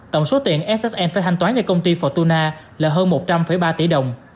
tổng số tiền ssen phải thanh toán cho công ty fortuna là hơn một trăm linh ba tỷ đồng